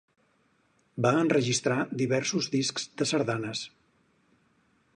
Va enregistrar diversos discs de sardanes.